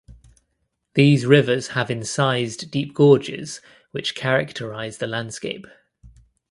These rivers have incised deep gorges which characterise the landscape.